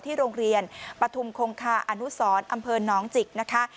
โรงเรียนปฐุมคงคาอนุสรอำเภอน้องจิกนะคะ